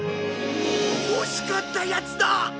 欲しかったやつだ！